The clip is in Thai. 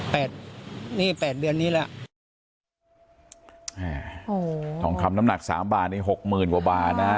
นี่แปดเดือนนี้แหละอ่าโอ้โหทองคำน้ำหนักสามบาทนี่หกหมื่นกว่าบาทนะฮะ